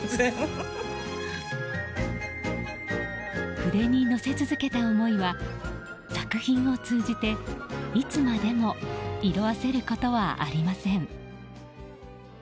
筆に乗せ続けた思いは作品を通じて、いつまでも色あせることはありません。